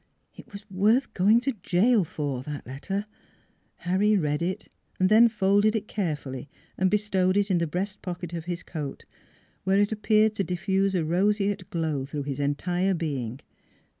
It was worth going to jail for that letter! Harry read it, then folded it carefully and bestowed it in the breast pocket of his coat, where it appeared to diffuse a roseate glow through his entire being.